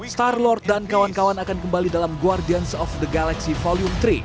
star lord dan kawan kawan akan kembali dalam guardians of the galaxy volume tiga